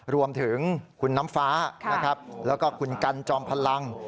รวมถึงคุณน้ำฟ้านะครับแล้วก็คุณกันจอมพลัง